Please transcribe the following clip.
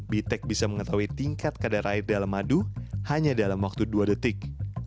bitek bisa mengetahui tingkat kadar air dalam madu hanya dalam waktu dua detik